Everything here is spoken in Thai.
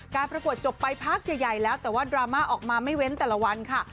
ประกวดจบไปพักใหญ่แล้วแต่ว่าดราม่าออกมาไม่เว้นแต่ละวันค่ะ